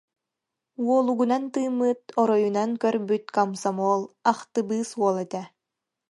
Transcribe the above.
Уолугунан тыыммыт, оройунан көрбүт комсомол, ахтыбыыс уол этэ